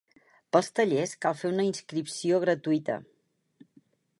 Pels tallers cal fer una inscripció gratuïta.